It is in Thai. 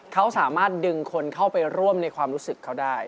เขาสามารถดึงคนเข้าไปร่วมในความรู้สึกเขาได้